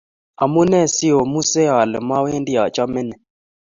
omunee si omuse ale mowendi ochome ni?